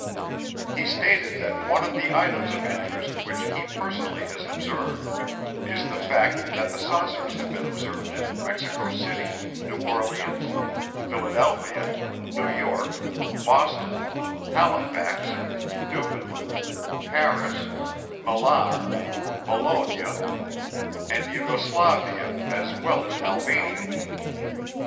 He stated that one of the items of interest which he personally has observed is the fact that the saucers have been observed in Mexico City, New Orleans, Philadelphia, New York, Boston, Halifax, Newfoundland, Paris, Milan, Bologna and Yugoslavia as well as Albania.